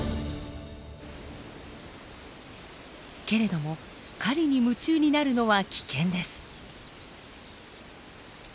けれども狩りに夢中になるのは危険です。